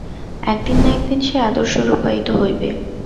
একদিন না একদিন সে আদর্শ রূপায়িত হইবে।